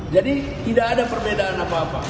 jadi tidak ada perbedaan apa apa